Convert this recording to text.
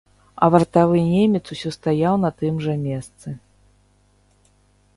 А вартавы немец усё стаяў на тым жа месцы.